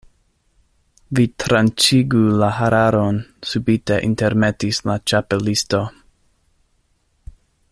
"Vi tranĉigu la hararon," subite intermetis la Ĉapelisto.